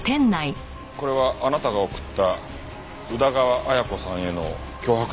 これはあなたが送った宇田川綾子さんへの脅迫状ですよね？